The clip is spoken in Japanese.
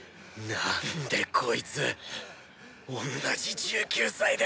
なんでこいつおんなじ１９歳で